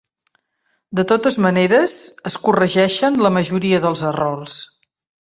De totes maneres, es corregeixen la majoria dels errors.